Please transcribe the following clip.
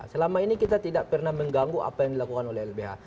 selama ini kita tidak pernah mengganggu apa yang dilakukan oleh lbh